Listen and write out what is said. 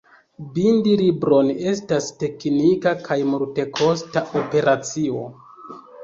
Bindi libron estas teknika kaj multekosta operacio.